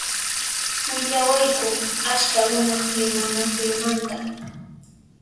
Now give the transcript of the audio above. Willawayku askha runaq rimanakuymanta.